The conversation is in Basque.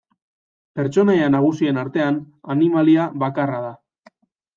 Pertsonaia nagusien artean, animalia bakarra da.